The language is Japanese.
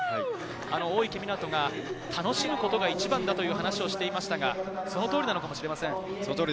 大池水杜が楽しむことが一番だと話をしていましたが、その通りなのかもしれません。